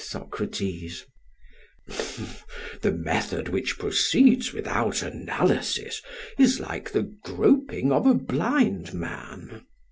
SOCRATES: The method which proceeds without analysis is like the groping of a blind man.